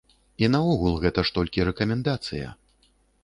І наогул, гэта ж толькі рэкамендацыя.